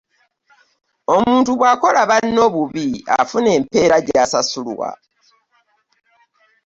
Omuntu bwakola banne obubi afuna empeera gyasasulwa .